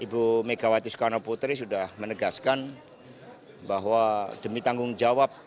ibu megawati soekarno putri sudah menegaskan bahwa demi tanggung jawab